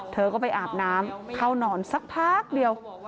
เธอก็ไปอาบน้ำเข้านอนสักพักเดียว